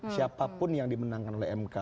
siapapun yang dimenangkan oleh mk